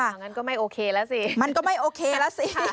อย่างนั้นก็ไม่โอเคแล้วสิค่ะค่ะค่ะค่ะค่ะค่ะ